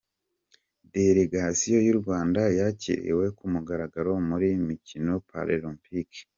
Delegasiyo y’u Rwanda yakiriwe ku mugaragaro mu mikino Paralempike